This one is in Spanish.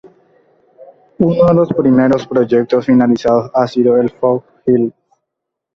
Uno de los primeros proyectos finalizados ha sido el Fox Hill.